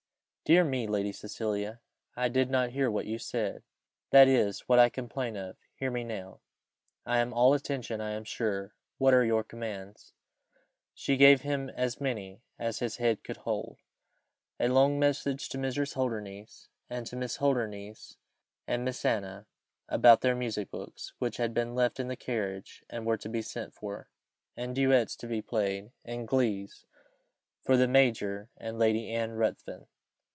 "Dear me, Lady Cecilia! I did not hear what you said." "That is what I complain of hear me now." "I am all attention, I am sure. What are your commands?" She gave him as many as his head could hold. A long message to Mrs. Holdernesse, and to Miss Holdernesse and Miss Anna about their music books, which had been left in the carriage, and were to be sent for, and duets to be played, and glees, for the major and Lady Anne Ruthven.